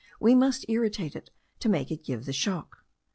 We must irritate it to make it give the shock.